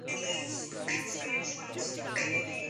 طیارہ ساز کمپنی